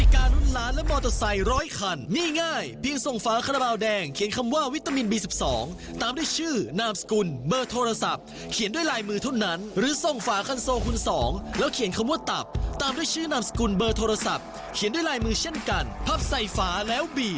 คุณผู้ชมถ้ามีฝาแล้วเราก็ไปดูกติกากันเลยครับ